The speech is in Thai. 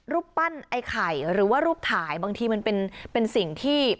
รูปปั้นไอ้ไข่หรือว่ารูปถ่ายบางทีมันเป็นสิ่งที่